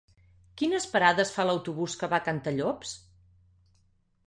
Quines parades fa l'autobús que va a Cantallops?